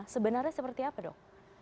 sebenarnya seperti apa dok